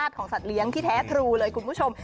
ทาสของสัตว์เลี้ยงที่แท้ถูแล้วคุณผู้ชม